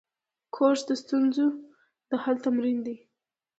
کورس د ستونزو د حل تمرین دی.